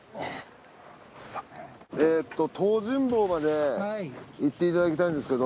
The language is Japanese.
東尋坊まで行っていただきたいんですけど。